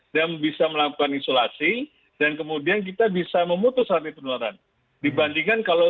dan bisa melakukan isolasi dan kemudian kita bisa memutuskan penularan dibandingkan kalau